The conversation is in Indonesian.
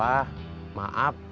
udah nggak apa apa